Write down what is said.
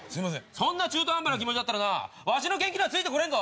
そんな中途半端な気持ちだったらわしの研究にはついて来れんぞ。